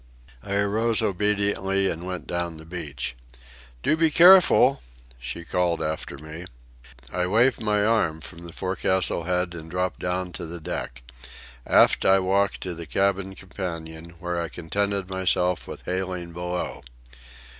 I arose obediently and went down the beach. "Do be careful," she called after me. I waved my arm from the forecastle head and dropped down to the deck. Aft I walked to the cabin companion, where I contented myself with hailing below.